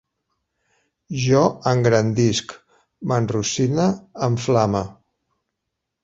Jo engrandisc, m'enrossine, em flame